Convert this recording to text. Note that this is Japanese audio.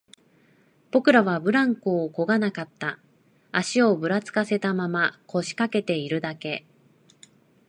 僕らはブランコをこがなかった、足をぶらつかせたまま、腰掛けているだけ